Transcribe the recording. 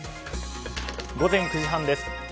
午前９時半です。